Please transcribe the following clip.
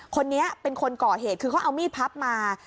คนนี้เป็นคนก่อเหตุคือเขาเอามีดพับมา